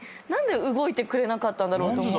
何で動いてくれなかったんだろうと。